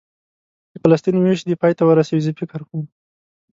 د فلسطین وېش دې پای ته ورسوي، زه فکر کوم.